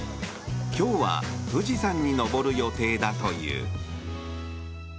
今日は富士山に登る予定だという。